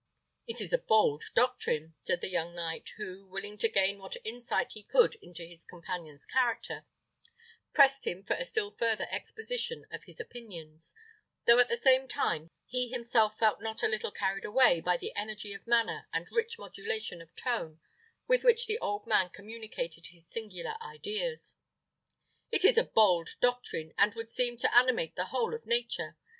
"It is a bold doctrine," said the young knight, who, willing to gain what insight he could into his companion's character, pressed him for a still further exposition of his opinions, though at the same time he himself felt not a little carried away by the energy of manner and rich modulation of tone with which the old man communicated his singular ideas. "It is a bold doctrine, and would seem to animate the whole of nature.